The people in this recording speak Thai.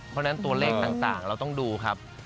เพราะฉะนั้นตัวเลขต่างเราต้องดูครับ